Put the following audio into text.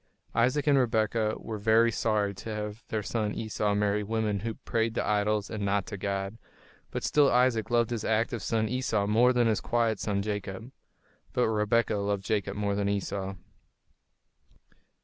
Isaac and Rebekah were very sorry to have their son Esau marry women who prayed to idols and not to God; but still Isaac loved his active son Esau more than his quiet son Jacob. But Rebekah loved Jacob more than Esau.